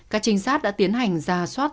các trinh sát đã tiến hành ra soát